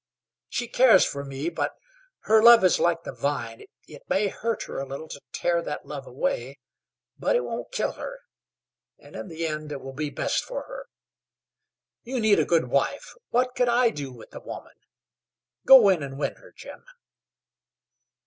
She cares for me; but her love is like the vine. It may hurt her a little to tear that love away, but it won't kill her; and in the end it will be best for her. You need a good wife. What could I do with a woman? Go in and win her, Jim."